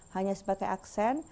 hanya pakai aksen